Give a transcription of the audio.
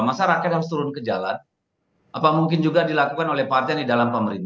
masa rakyat harus turun ke jalan apa mungkin juga di lakukan